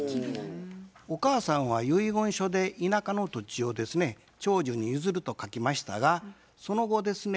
お母さんは遺言書で田舎の土地をですね長女に譲ると書きましたがその後ですね